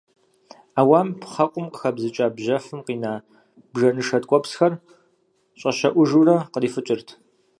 Ӏэуам пхъэкъум къыхэбзыкӀа бжьэфым къина бжэнышэ ткӀуэпсхэр, щӀэщэӀухьыжу, кърифыкӀырт.